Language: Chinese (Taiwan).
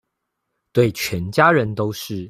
對全家人都是